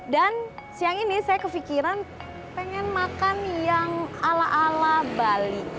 dan siang ini saya kefikiran pengen makan yang ala ala bali